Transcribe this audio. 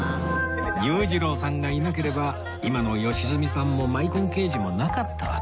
裕次郎さんがいなければ今の良純さんもマイコン刑事もなかったわけですね